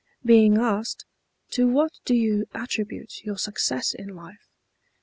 Being asked, To what do you attribute your success in life?